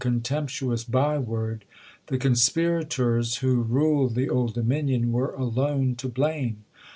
contemptuous by word, the conspirators who ruled the Old Dominion were alone to blame.